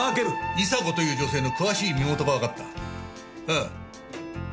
伊沙子という女性の詳しい身元がわかった。